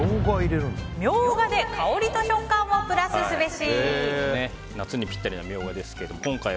ミョウガで香りと食感をプラスすべし。